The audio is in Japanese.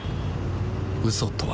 嘘とは